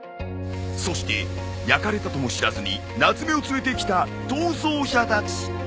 そして焼かれたとも知らずにナツメを連れてきた逃走者たち。